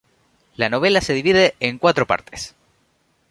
La novela se divide en cuatro partes.